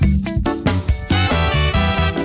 นี่